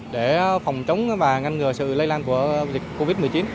để phòng chống và ngăn ngừa sự lây lan của dịch covid một mươi chín